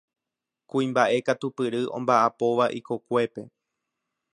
Kuimbaʼe katupyry ombaʼapóva ikokuépe.